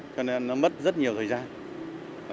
cho nên nó mất rất nhiều thời gian